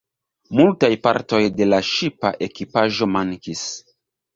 Multaj partoj de la ŝipa ekipaĵo mankis.